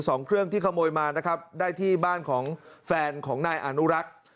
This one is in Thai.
สองเครื่องที่ขโมยมานะครับได้ที่บ้านของแฟนของนายอนุรักษ์